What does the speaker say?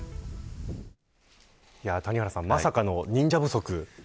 谷原さん、まさかの忍者不足。